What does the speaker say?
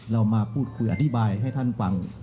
เรามาพูดคุยอธิบายให้ท่านฟัง